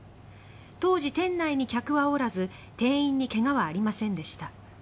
当時、店内に客はおらず店員に怪我はありませんでした。